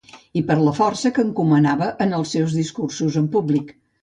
I per la força que encomanava en els seus discursos en públic.